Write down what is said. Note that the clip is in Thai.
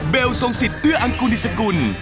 เบลสงสิตเอื้ออังกูลดิสกุล